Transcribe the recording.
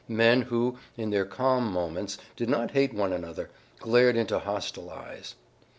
Men who, in their calm moments, did not hate one another, glared into hostile eyes.